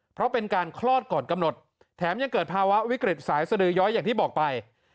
เพราะเป็นการคลอดก่อนกำหนดแถมยังเกิดภาวะวิกฤตสายสดือย้อยอย่างที่บอกไป